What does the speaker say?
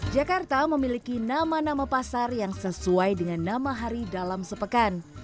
jakarta memiliki nama nama pasar yang sesuai dengan nama hari dalam sepekan